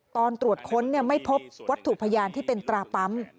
ตอนตรวจค้นไม่พบวัตถุพยานที่เป็นตราปั๊ม